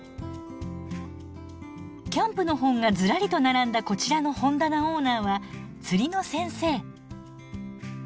キャンプの本がずらりと並んだこちらの本棚オーナーは釣りの先生。